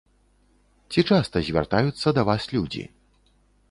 Ці часта звяртаюцца да вас людзі?